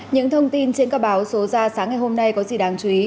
những thông tin trên các báo số ra sáng ngày hôm nay có gì đáng chú ý